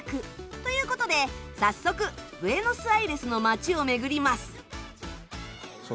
という事で早速ブエノス・アイレスの街を巡ります。